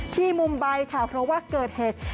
ที่มุมใบค่ะเพราะว่าเกิดเหตุ